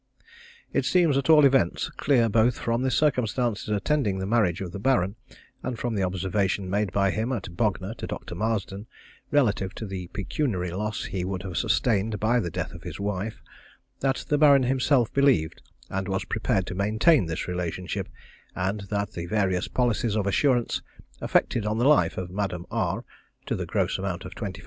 It seems, at all events, clear, both from the circumstances attending the marriage of the Baron, and from the observation made by him at Bognor to Dr. Marsden relative to the pecuniary loss he would have sustained by the death of his wife, that the Baron himself believed and was prepared to maintain this relationship, and that the various policies of assurance effected on the life of Madame R to the gross amount of 25,000_l_.